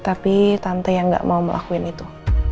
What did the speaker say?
tapi tante yang gak mau melakuin itu